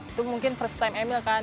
itu mungkin first time emil kan